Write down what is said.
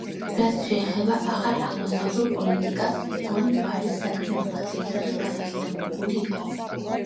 რაც შეეხება ახალ აღმოსავლურ პოლიტიკას, ეგონ ბარის საქმიანობა ძირითადად გასაიდუმლოებული იყო.